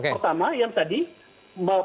pertama yang tadi pembatalan apa namanya itu